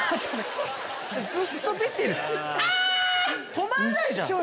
止まんないじゃん。